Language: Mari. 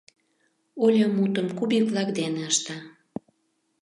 Оля мутым кубик-влак дене ышта.